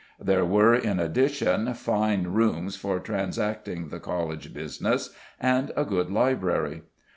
There were, in addition, fine rooms for transacting the College business, and a good library.